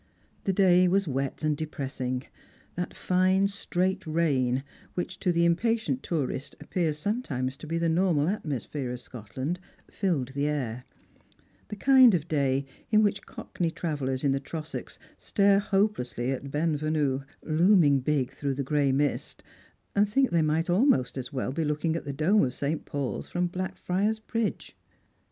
_ The day was wet and depressing ; that fine straight rain, which to the impatient tourist appears sometimes to be the normal atmosphere of Scotland, filled the air ; the kind of day in which Cockney travellers in theTrosachs stare hoj^elessly at Benvenue, looming big throagh the gray mist, and think they might alrnost as well be looking at the dome of St. Paul's from Blackfriars Bridge.